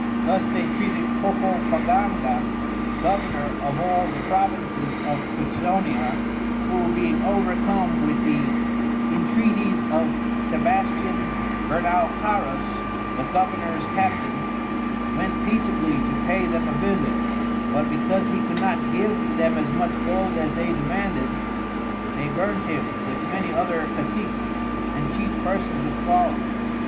Thus they treated Cocopaganga, Governour of all the Provinces of Quitonia, who being overcome with the Intreaties of Sebastian Bernalcarus, the Governours Captain, went peaceably to pay them a Visit; but because he could not give them as much Gold as they demanded, they burnt him with many other Casics and Chief Persons of Quality.